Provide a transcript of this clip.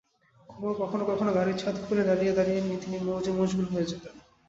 কখনো কখনো গাড়ির ছাদ খুলে দাঁড়িয়ে দাঁড়িয়েই তিনি মৌজে মশগুল হয়ে যেতেন।